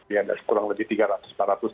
ya ada kurang lebih